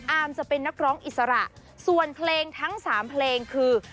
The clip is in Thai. จะเป็นนักร้องอิสระส่วนเพลงทั้งสามเพลงคือ